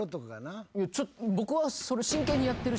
僕は真剣にやってるし。